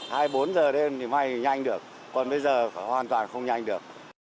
hai mươi bốn h đêm thì may nhanh được còn bây giờ hoàn toàn không nhanh được